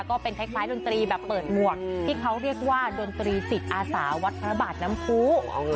ก็เป็นคล้ายดนตรีแบบเปิดหมวกที่เขาเรียกว่าดนตรีจิตอาสาวัดพระบาทน้ำผู้